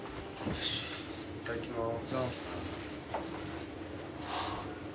いただきます。